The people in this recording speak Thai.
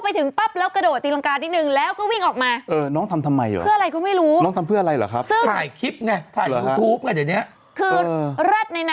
แต่พอเวลาเด็กเขาสอบจริง